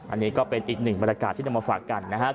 อันนี้ก็เป็นอีกหนึ่งบรรยากาศที่นำมาฝากกันนะครับ